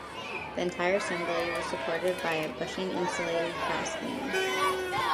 The entire assembly was supported by a bushing-insulated crossbeam.